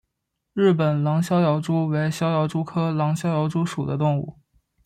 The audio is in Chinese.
日本狼逍遥蛛为逍遥蛛科狼逍遥蛛属的动物。